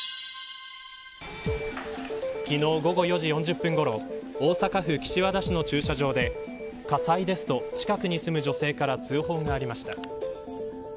昨日、午後４時４０分ごろ大阪府、岸和田市の駐車場で火災ですと近くに住む女性から通報がありました。